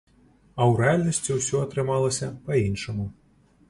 А ў рэальнасці ўсё атрымалася па-іншаму.